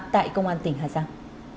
tại công an tỉnh hà giang